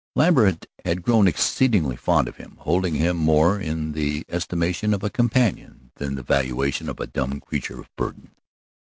Lambert had grown exceedingly fond of him, holding him more in the estimation of a companion than the valuation of a dumb creature of burden.